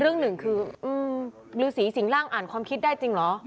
เรื่องหนึ่งคือฤษีสิงร่างอ่านความคิดได้จริงเหรอ